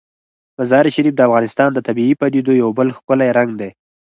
مزارشریف د افغانستان د طبیعي پدیدو یو بل ښکلی رنګ دی.